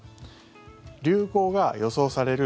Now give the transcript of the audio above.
流行が予想される